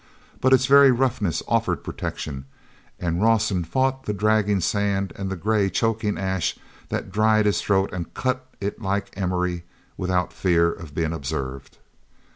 But its very roughness offered protection, and Rawson fought the dragging sand, and the gray, choking ash that dried his throat and cut it like emery, without fear of being observed.